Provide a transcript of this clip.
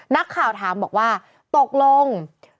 นักข่าวถามบอกว่าตกลง